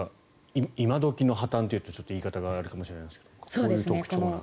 今時の破たんというとちょっと言い方があれかもしれないですがこういう特徴があると。